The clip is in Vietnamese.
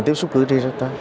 để tiếp xúc cử tri rất tốt